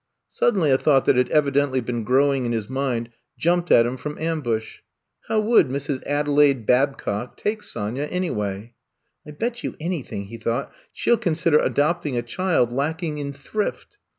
Suddenly a thought that had evidently been growing in his mind, jumped at him from ambush. How would Mrs. Adelaide Babcock take Sonya, anyway? I bet you anything,*' he thought, she *11 consider adopting a child lacking in thrift.'